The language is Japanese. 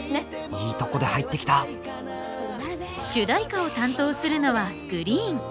いいとこで入ってきた主題歌を担当するのはＧＲｅｅｅｅＮ。